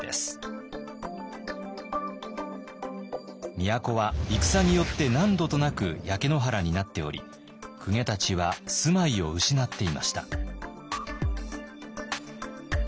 都は戦によって何度となく焼け野原になっており公家たちは住まいを失っていました。